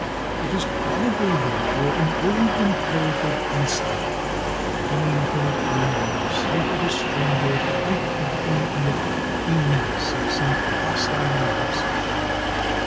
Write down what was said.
It is probably therefore an old inherited instinct, coming from a time when the sight of a stranger might contain in it a menace of some hostile usage.